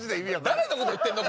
誰の事言ってんの？